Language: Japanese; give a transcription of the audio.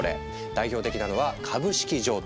代表的なのは「株式譲渡」。